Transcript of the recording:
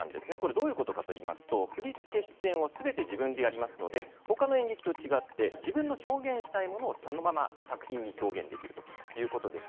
どういうことかといいますと振り付け、出演をすべて自分でやりますのでほかの演劇と違って自分の表現したいものをそのまま作品に表現できるということです。